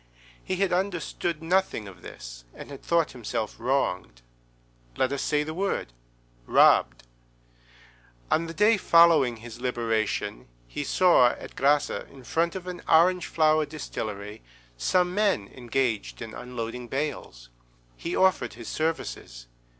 He had understood nothing of this, and had thought himself wronged. Let us say the word—robbed. On the day following his liberation, he saw, at Grasse, in front of an orange flower distillery, some men engaged in unloading bales. He offered his services.